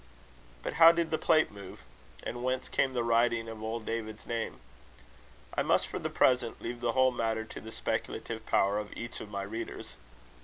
But how did the plate move? and whence came the writing of old David's name? I must, for the present, leave the whole matter to the speculative power of each of my readers.